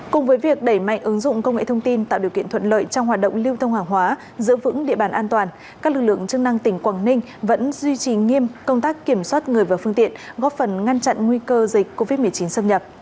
cùng với việc đẩy mạnh ứng dụng công nghệ thông tin tạo điều kiện thuận lợi trong hoạt động lưu thông hàng hóa giữ vững địa bàn an toàn các lực lượng chức năng tỉnh quảng ninh vẫn duy trì nghiêm công tác kiểm soát người và phương tiện góp phần ngăn chặn nguy cơ dịch covid một mươi chín xâm nhập